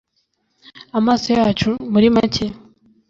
amaso yacu, muri make